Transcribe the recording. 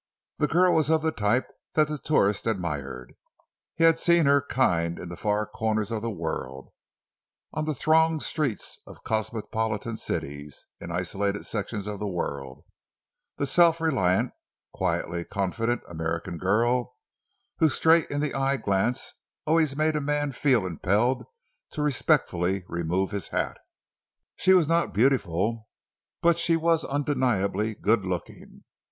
The girl was of the type that the tourist admired. He had seen her kind in the far corners of the world, on the thronged streets of cosmopolitan cities, in isolated sections of the world—the self reliant, quietly confident American girl whose straight in the eye glance always made a man feel impelled to respectfully remove his hat. She was not beautiful, but she was undeniably good looking.